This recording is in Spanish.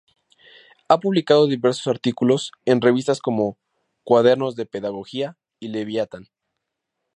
Ha publicado diversos artículos en revistas como Cuadernos de Pedagogía y Leviatán.